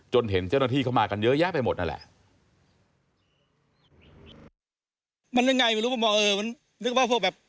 เห็นเจ้าหน้าที่เข้ามากันเยอะแยะไปหมดนั่นแหละ